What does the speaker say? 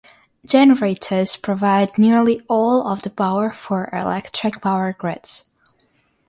Generators provide nearly all of the power for electric power grids.